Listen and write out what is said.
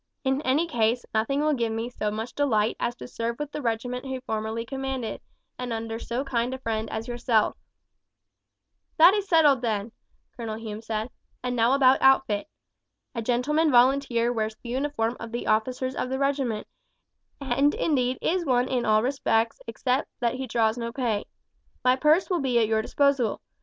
In any case nothing will give me so much delight as to serve with the regiment he formerly commanded, and under so kind a friend as yourself." "That is settled then," Colonel Hume said; "and now about outfit. A gentleman volunteer wears the uniform of the officers of the regiment, and indeed is one in all respects except that he draws no pay. My purse will be at your disposal.